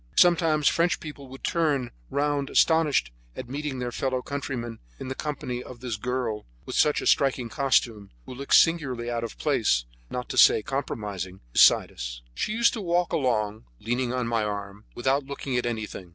Sometimes French people would turn round astonished at meeting their fellow countrymen in the company of this girl with her striking costume, who looked singularly out of place, not to say compromising, beside us. She used to walk along, leaning on my arm, without looking at anything.